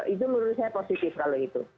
itu menurut saya positif kalau itu